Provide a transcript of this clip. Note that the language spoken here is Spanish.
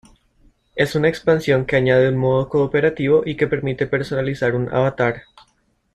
Es una expansión que añade un modo cooperativo y que permite personalizar un avatar.